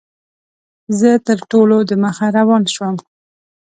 زه تر ټولو دمخه روان شوم.